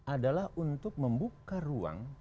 adalah untuk membuka ruang